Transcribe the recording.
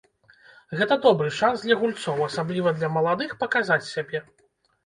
Гэта добры шанс для гульцоў, асабліва для маладых, паказаць сябе.